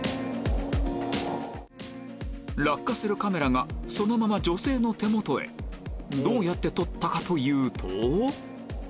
落下するカメラがそのまま女性の手元へどうやって撮ったかというと？